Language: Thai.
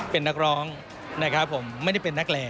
เป็นนักร้องนะครับผมไม่ได้เป็นนักเลง